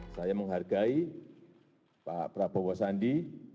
saya menghargai pak prabowo sandi